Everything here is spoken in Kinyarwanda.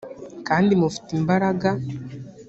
kandi mufite imbaraga